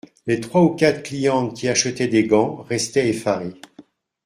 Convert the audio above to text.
Les trois ou quatre clientes qui achetaient des gants, restaient effarées.